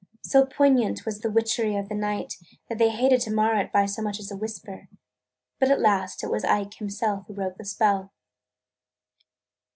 So poignant was the witchery of the night that they hated to mar it by so much as a whisper. But at last it was Ike himself who broke the spell.